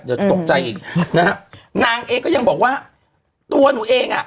เดี๋ยวตกใจอีกนะฮะนางเองก็ยังบอกว่าตัวหนูเองอ่ะ